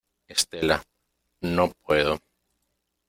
estela, no puedo.